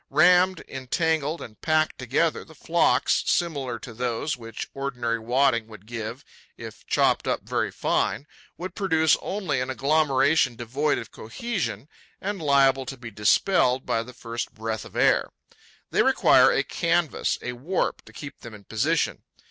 Rammed, entangled and packed together, the flocks, similar to those which ordinary wadding would give if chopped up very fine, would produce only an agglomeration devoid of cohesion and liable to be dispelled by the first breath of air. They require a canvas, a warp, to keep them in position.